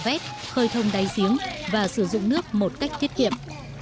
vét khơi thông đáy giếng và sử dụng nước một cách tiết kiệm